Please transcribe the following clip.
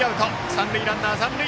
三塁ランナー残塁。